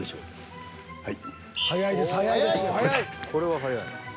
［これは速い］